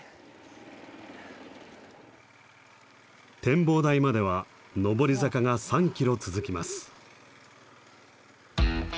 展望台までは上り坂が３キロ続きます。